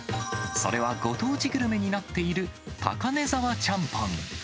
それはご当地グルメになっている、高根沢ちゃんぽん。